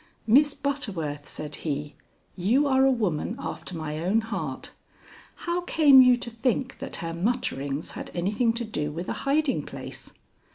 "Miss Butterworth," said he, "you are a woman after my own heart. How came you to think that her mutterings had anything to do with a hiding place?"